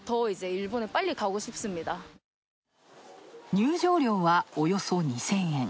入場料はおよそ２０００円。